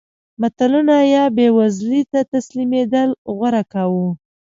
ملتونو یا بېوزلۍ ته تسلیمېدل غوره کاوه.